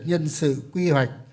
nhân sự quy hoạch